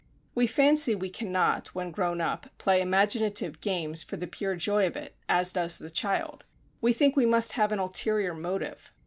We fancy we cannot, when grown up, play imaginative games for the pure joy of it, as does the child; we think we must have an ulterior motive.